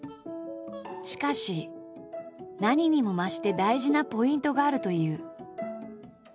しかし何にも増して大事なポイントがあるという。